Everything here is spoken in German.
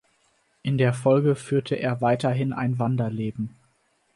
In der Folge führte er weiterhin ein Wanderleben.